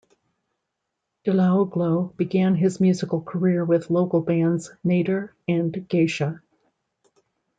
Delaoglou began his musical career with local bands Nadir and Geisha.